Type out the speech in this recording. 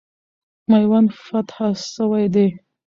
میوند فتح سوی دی.